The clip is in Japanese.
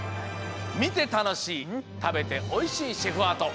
みてたのしいたべておいしいシェフアート！